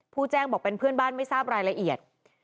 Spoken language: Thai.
แจ้งบอกเป็นเพื่อนบ้านไม่ทราบรายละเอียด